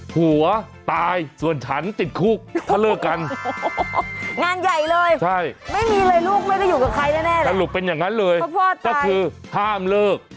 หัวตายส่วนฉันติดคลุก